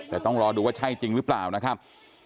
แต่ต้องรอดูว่าใช่จริงหรือเปล่านะครับ